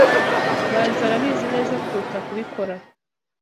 Manzi arabizi neza kuruta kubikora.